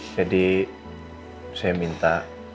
jadi saya minta